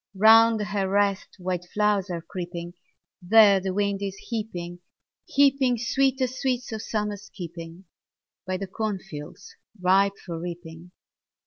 Round her rest wild flowers are creeping; There the wind is heaping, heaping Sweetest sweets of Summer's keeping. By the corn fields ripe for reaping.